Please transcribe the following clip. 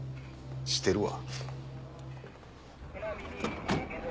してるわ。